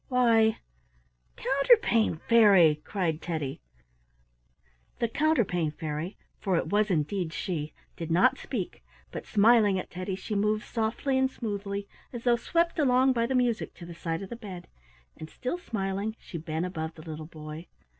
"Why, Counterpane Fairy!" cried Teddy. The Counterpane Fairy, for it was indeed she, did not speak, but smiling at Teddy she moved softly and smoothly, as though swept along by the music to the side of the bed, and, still smiling, she bent above the little boy.